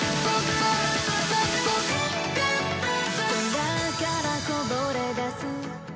「空からこぼれ出す」